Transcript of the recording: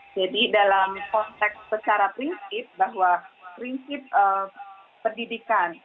jadi dalam konteks secara prinsip bahwa prinsip pendidikan